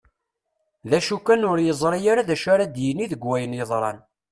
D acu kan ur yeẓri ara d acu ara d-yini deg wayen yeḍran.